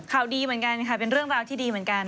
ข่าวดีเหมือนกันค่ะเป็นเรื่องราวที่ดีเหมือนกัน